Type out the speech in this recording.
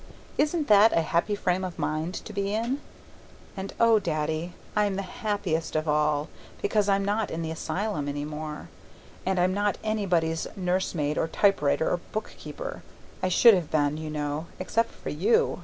Isn't that a happy frame of mind to be in? And oh, Daddy! I'm the happiest of all! Because I'm not in the asylum any more; and I'm not anybody's nursemaid or typewriter or bookkeeper (I should have been, you know, except for you).